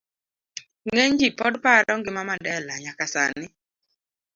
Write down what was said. C. Ng'eny ji pod paro ngima Mandela nyaka sani